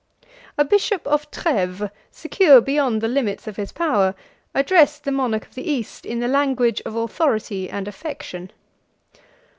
A bishop of Treves, secure beyond the limits of his power, addressed the monarch of the East in the language of authority and affection.